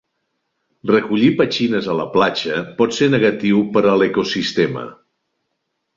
Recollir petxines a la platja pot ser negatiu per a l'ecosistema.